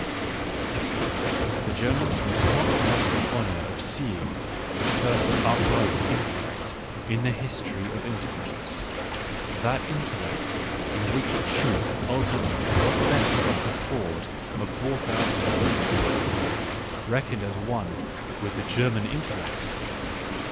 * The Germans must not have the honour of seeing the first upright intellect in their history of intellects, that intellect in which truth ultimately got the better of the fraud of four thousand years, reckoned as one with the German intellect.